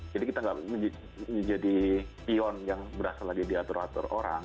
jadi kita nggak menjadi peon yang berasa lagi diatur atur orang